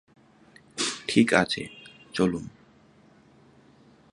ঠিক আছে, চলুন।